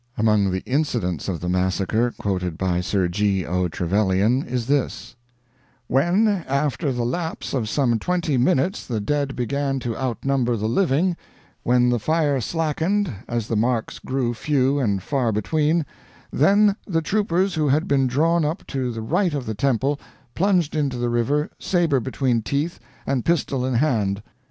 Among the incidents of the massacre quoted by Sir G. O. Trevelyan, is this: "When, after the lapse of some twenty minutes, the dead began to outnumber the living; when the fire slackened, as the marks grew few and far between; then the troopers who had been drawn up to the right of the temple plunged into the river, sabre between teeth, and pistol in hand.